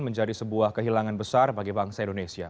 menjadi sebuah kehilangan besar bagi bangsa indonesia